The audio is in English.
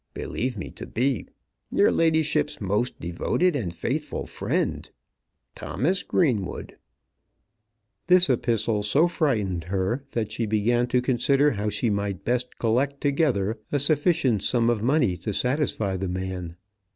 Believe me to be, Your ladyship's most devoted and faithful friend, THOMAS GREENWOOD. This epistle so frightened her that she began to consider how she might best collect together a sufficient sum of money to satisfy the man.